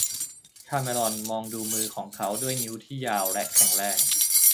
คาเมรอนมองดูมือของเขาด้วยนิ้วที่ยาวและแข็งแรง